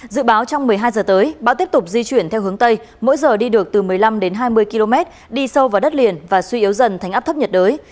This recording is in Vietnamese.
dự báo trong một mươi hai h tới bão tiếp tục di chuyển theo hướng tây mỗi giờ đi được từ một mươi năm đến hai mươi km đi sâu vào đất liền và suy yếu dần thành áp thấp nhiệt đới